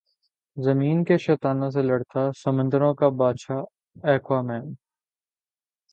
زمین کے شیطانوں سے لڑتا سمندروں کا بادشاہ ایکوامین